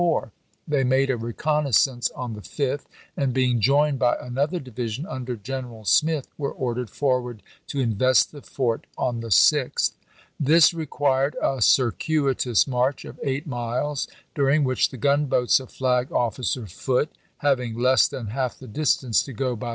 They made a reconnaissance on the 5th, 1862. and, being joined by another division under General Smith, were ordered forward to invest the fort on the 6th. This required a circuitous march of eight Mccier miles, during which the gunboats of Flag officer Rep^oit, Foote, having less than half the distance to go by 1862.